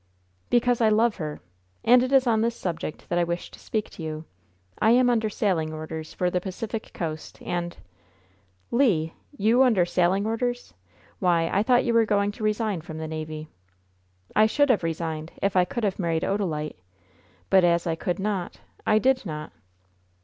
"Because I love her. And it is on this subject that I wish to speak to you. I am under sailing orders for the Pacific Coast, and " "Le! you under sailing orders? Why, I thought you were going to resign from the navy?" "I should have resigned, if I could have married Odalite; but, as I could not, I did not."